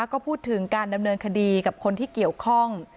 ก็พูดถึงการดำเนินคดีกับคนที่เกี่ยวข้อง